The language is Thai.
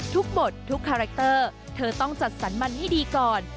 บททุกคาแรคเตอร์เธอต้องจัดสรรมันให้ดีก่อน